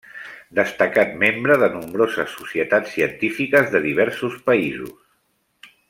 Destacat membre de nombroses societats científiques de diversos països.